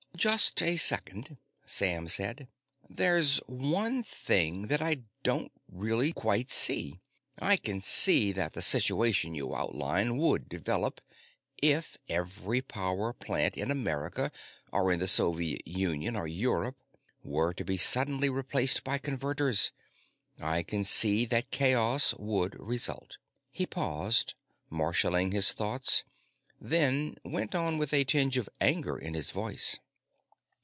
"Just a second," Sam said. "There's one thing that I don't really quite see. I can see that the situation you outline would develop if every power plant in America or in the Soviet Union or Europe were to be suddenly replaced by Converters. I can see that chaos would result." He paused, marshaling his thoughts, then went on, with a tinge of anger in his voice.